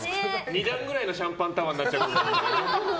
２段くらいのシャンパンタワーになっちゃう。